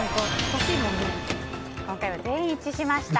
今回は全員一致しました。